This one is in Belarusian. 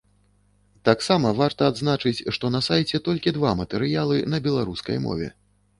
Таксама варта адзначыць, што на сайце толькі два матэрыялы на беларускай мове.